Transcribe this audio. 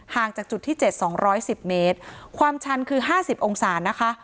จากจุดที่๗๒๑๐เมตรความชันคือ๕๐องศานะคะ